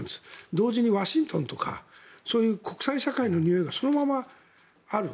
同時にワシントンとかそういう国際社会のにおいがそのままある。